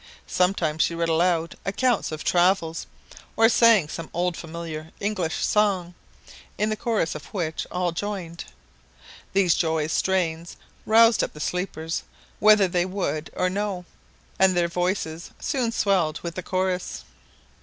Sometimes she read aloud accounts of travels, or sang some old familiar English song, in the chorus of which all joined. These joyous strains roused up the sleepers whether they would or no, and their voices soon swelled the chorus.